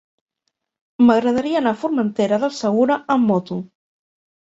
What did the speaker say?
M'agradaria anar a Formentera del Segura amb moto.